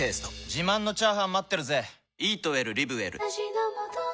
自慢のチャーハン待ってるぜ！